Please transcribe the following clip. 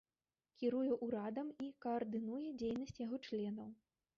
Кіруе урадам і каардынуе дзейнасць яго членаў.